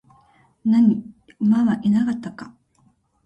何、馬はいなかったか?